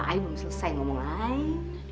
ayah belum selesai ngomong lain